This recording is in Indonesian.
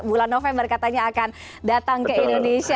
bulan november katanya akan datang ke indonesia